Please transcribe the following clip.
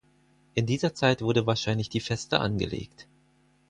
In dieser Zeit wurde wahrscheinlich die Feste angelegt.